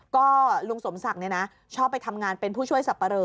ก็ลุงสมศักดิ์ชอบไปทำงานเป็นผู้ช่วยสับปะเลอ